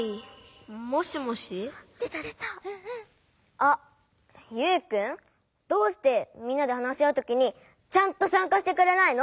あっユウくん？どうしてみんなで話し合うときにちゃんとさんかしてくれないの？